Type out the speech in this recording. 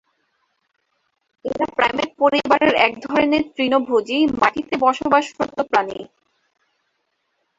এরা প্রাইমেট পরিবারের এক ধরনের তৃণভোজী, মাটিতে বসবাসরত প্রাণী।